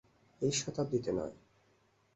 এই শতাব্দীতে নয়।